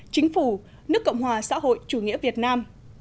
chính phủ nước cộng hòa xã hội chủ nghĩa việt nam